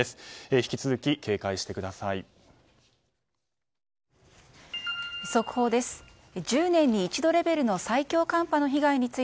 引き続き警戒してください。